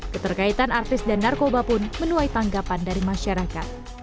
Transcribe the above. keterkaitan artis dan narkoba pun menuai tanggapan dari masyarakat